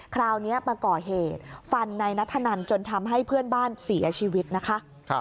ก่อเหตุฟันในนทนันจนทำให้เพื่อนบ้านเสียชีวิตนะคะ